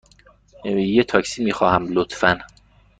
یه تاکسی می خواهم، لطفاً.